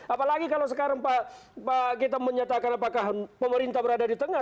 apalagi kalau sekarang pak gita menyatakan apakah pemerintah berada di tengah